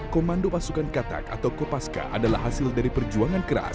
komando pasukan katak atau kopaska adalah hasil dari perjuangan keras